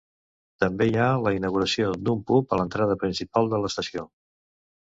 També hi ha la inauguració d'un pub a l'entrada principal de l'estació.